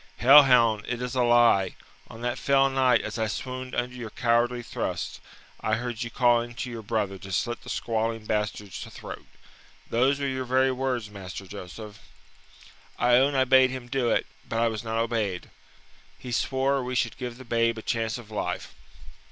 "Hell hound, it is a lie! On that fell night, as I swooned under your cowardly thrust, I heard you calling to your brother to slit the squalling bastard's throat. Those were your very words, Master Joseph." "I own I bade him do it, but I was not obeyed. He swore we should give the babe a chance of life.